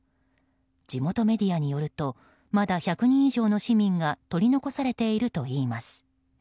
地元メディアによるとまだ１００人以上の市民が取り残されているといいます。